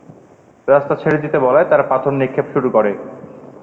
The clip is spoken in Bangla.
রাস্তা ছেড়ে দিতে বলায় তারা পাথর নিক্ষেপ শুরু করে।